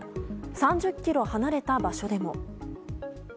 ３０ｋｍ離れた場所でも。